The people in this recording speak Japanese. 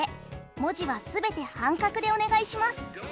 文字は全て半角でお願いします。